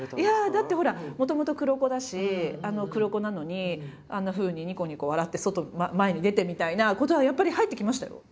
だってほらもともと黒子だし黒子なのに「あんなふうににこにこ笑って前に出て」みたいなことはやっぱり入ってきましたよ。